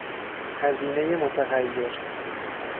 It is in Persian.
هزینه متغیر